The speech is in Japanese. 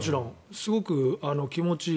すごく気持ちいい。